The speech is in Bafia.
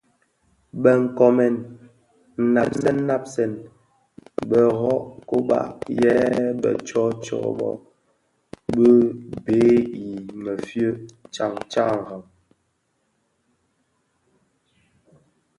Bë nkoomèn nnabsèn nabsèn bero kōba yè bë tsōō bōō bi bhee i mefye tsaň tsaňraň.